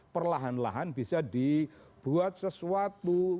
perlahan lahan bisa dibuat sesuatu